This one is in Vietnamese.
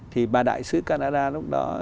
thì bà đại sứ canada lúc đó